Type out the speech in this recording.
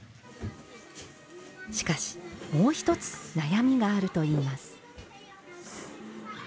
しかしもう一つ悩みがあるといいます。